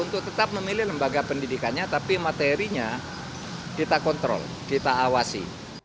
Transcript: untuk tetap memilih lembaga pendidikannya tapi materinya kita kontrol kita awasi